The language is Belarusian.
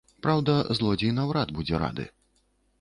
Праўда, злодзей наўрад будзе рады.